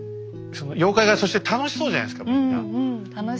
妖怪がそして楽しそうじゃないですかみんな。